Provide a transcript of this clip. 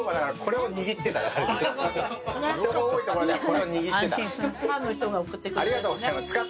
人が多いところではこれを握ってた。